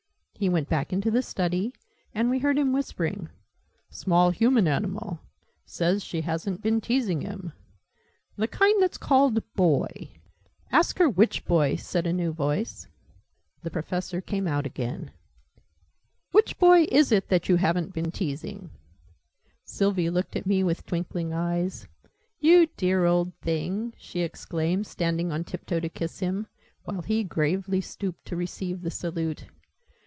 He went back into the study, and we heard him whispering "small human animal says she hasn't been teasing him the kind that's called Boy " "Ask her which Boy," said a new voice. The Professor came out again. "Which Boy is it that you haven't been teasing?" Sylvie looked at me with twinkling eyes. "You dear old thing!" she exclaimed, standing on tiptoe to kiss him, while he gravely stooped to receive the salute.